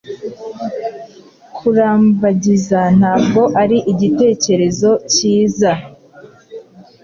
Kurambagiza ntabwo cyari igitekerezo cyiza.